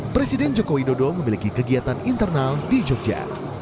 presiden joko widodo memiliki kegiatan internal di jogja